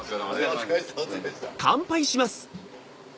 お疲れさまでした。